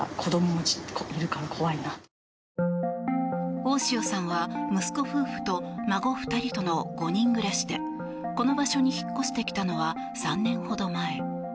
大塩さんは息子夫婦と孫２人との５人暮らしでこの場所に引っ越してきたのは３年ほど前。